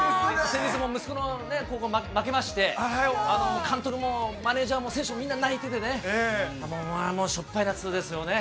先日も息子の高校、負けまして、監督もマネージャーも選手もみんな泣いててね、もう、あのしょっぱい夏ですよね。